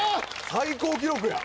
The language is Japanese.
最高記録や！